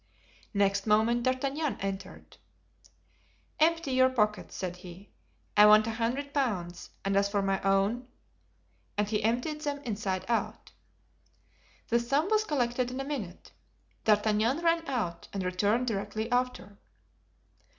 Next moment D'Artagnan entered. "Empty your pockets," said he; "I want a hundred pounds, and as for my own——" and he emptied them inside out. The sum was collected in a minute. D'Artagnan ran out and returned directly after.